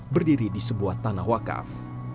berdiri di sebuah tanah wakaf